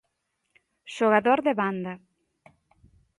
Xogador de banda.